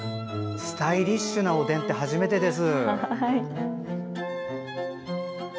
スタイリッシュなおでんって初めてです。